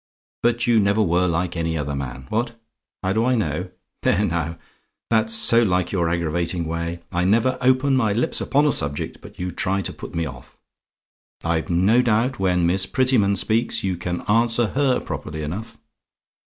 But you never were like any other man! What? "HOW DO I KNOW? "There now that's so like your aggravating way. I never open my lips upon a subject but you try to put me off. I've no doubt when Miss Prettyman speaks, you can answer HER properly enough.